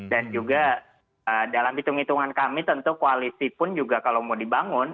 dan juga dalam hitung hitungan kami tentu koalisi pun juga kalau mau dibangun